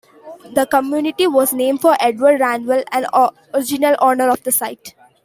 The community was named for Edward Randall, an original owner of the site.